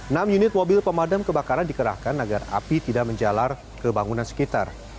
enam unit mobil pemadam kebakaran dikerahkan agar api tidak menjalar ke bangunan sekitar